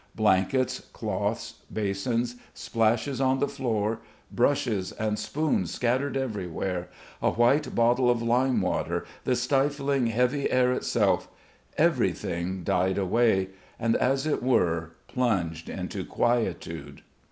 Blankets, cloths, basins, splashes on the floor, brushes and spoons scattered everywhere, a white bottle of lime water, the stifling heavy air itself everything died away, and as it were plunged into quietude.